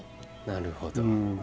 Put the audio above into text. なるほど。